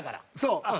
そう。